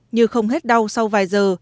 như không hết đau sau vài giờ